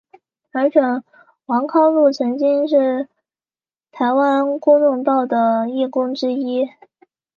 而且王康陆曾经是台湾公论报的义工之一。